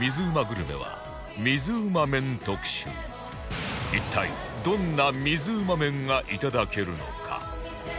グルメは一体どんな水うま麺がいただけるのか？